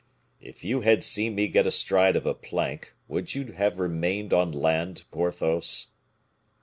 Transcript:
"If you had seen me get astride of a plank, would you have remained on land, Porthos?"